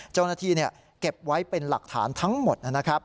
เจ้าหน้าที่เก็บไว้เป็นหลักฐานทั้งหมดนะครับ